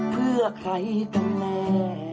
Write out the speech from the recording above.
เพื่อใครกันแน่